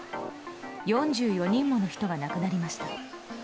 ４４人もの人が亡くなりました。